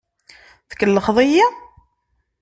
Tkellxeḍ-iyi?